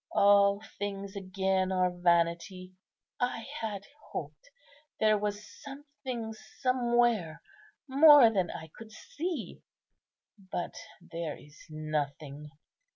All things again are vanity; I had hoped there was something somewhere more than I could see; but there is nothing.